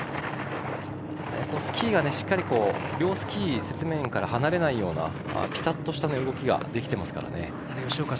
スキーがしっかり両スキー、雪面から離れないような、ぴたっとした動きができてますからね。